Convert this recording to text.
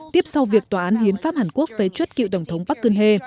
tiếp sau việc tòa án hiến pháp hàn quốc phế chuất cựu tổng thống bắc cương hê